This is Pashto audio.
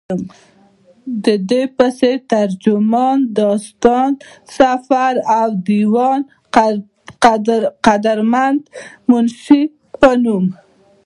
ددې پسې، ترجمان، داستان سفر او ديوان قدرمند منشي پۀ نوم